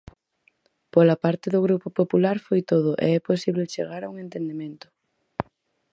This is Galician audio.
Pola parte do Grupo Popular foi todo e é posible chegar a un entendemento.